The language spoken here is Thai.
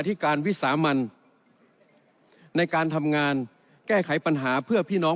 ที่การวิสามันในการทำงานแก้ไขปัญหาเพื่อพี่น้อง